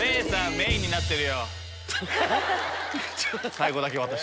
メインになってるよ。